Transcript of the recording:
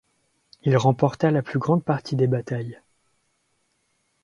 Il remporta la plus grande partie des batailles.